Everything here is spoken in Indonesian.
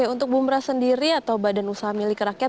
untuk bumra sendiri atau badan usaha milik rakyat